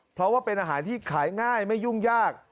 เพราะว่าเป็นอาหารที่ขายง่ายไม่ยุ่งยาก